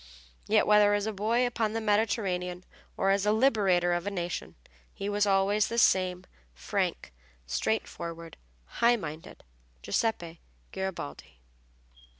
Yet whether as a boy upon the Mediterranean or as the liberator of a nation he was always the same frank, straightforward, high minded Giuseppe Garibaldi.